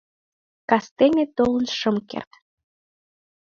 — Кастене толын шым керт.